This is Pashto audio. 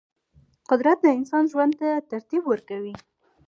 قدرت د انسان ژوند ته ترتیب ورکوي.